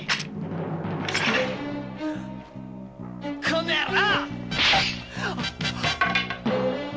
この野郎！